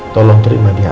tolong terima dia